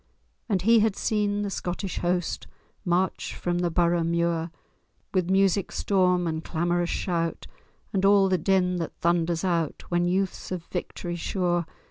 And he had seen the Scottish host March from the Borough muir, With music storm and clamorous shout, And all the din that thunders out When youth's of victory sure.